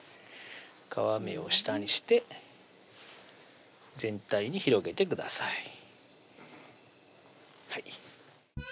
皮目を下にして全体に広げてください